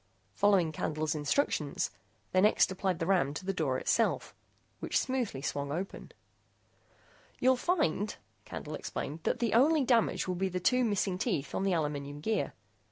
Following Candle's instructions, they next applied the ram to the door itself, which smoothly swung open. "You'll find," Candle explained, "that the only damage will be the two missing teeth on the aluminum gear.